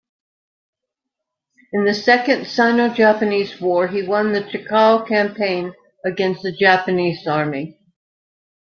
In the Second Sino-Japanese War, he won the Cheqiao Campaign against the Japanese Army.